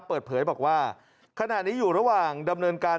เปิดเผยบอกว่าขณะนี้อยู่ระหว่างดำเนินการ